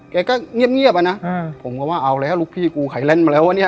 แกก็เงียบเงียบอะน่ะอืมผมก็ว่าเอาแล้วลูกพี่กูขายเล่นมาแล้วว่าเนี้ย